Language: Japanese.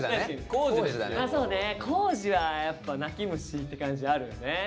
そうね康二はやっぱ泣き虫って感じあるよね。